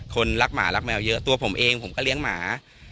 คนรักหมารักแมวเยอะตัวผมเองผมก็เลี้ยงหมา